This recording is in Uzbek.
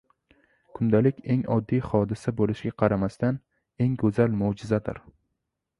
kundalik eng oddiy hodisa bo‘lishiga qaramasdan, eng go‘zal mo‘jizadir.